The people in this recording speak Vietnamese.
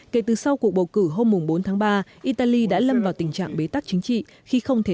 kể từ sau cuộc bầu cử hôm bốn tháng ba italy đã lâm vào tình trạng bế tắc chính trị khi không thể